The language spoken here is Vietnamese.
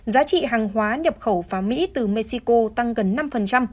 giá trị hàng hóa nhập khẩu pháo mỹ từ mexico tăng gần năm